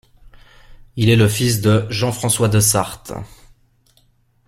Il est le fils de Jean-François De Sart.